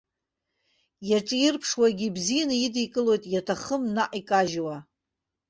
Иаҿирԥшуагьы ибзианы идикылоит, иаҭахым наҟ икажьуа.